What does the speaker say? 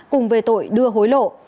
cùng về tội đưa hối lộ